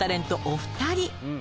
お二人。